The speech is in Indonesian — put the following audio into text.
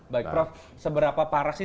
baik prof seberapa parah sih